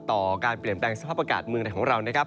ต่อการเปลี่ยนแปลงสภาพอากาศเมืองไหนของเรานะครับ